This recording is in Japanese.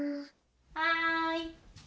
はい。